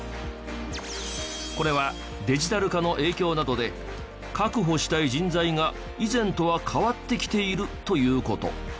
これはデジタル化の影響などで確保したい人材が以前とは変わってきているという事。